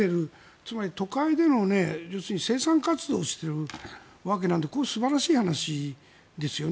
つまり、都会での生産活動をしているわけなのでこれは素晴らしい話ですよね。